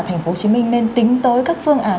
thành phố hồ chí minh nên tính tới các phương án